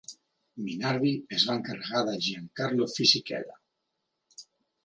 Minardi es va encarregar de Giancarlo Fisichella.